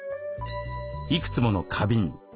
いくつもの花瓶。